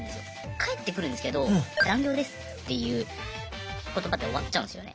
返ってくるんですけど「残業です」っていう言葉で終わっちゃうんですよね。